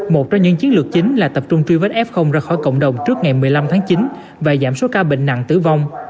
một trong những chiến lược chính là tập trung truy vết f ra khỏi cộng đồng trước ngày một mươi năm tháng chín và giảm số ca bệnh nặng tử vong